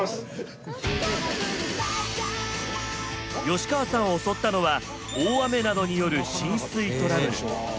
吉川さんを襲ったのは大雨などによる浸水トラブル。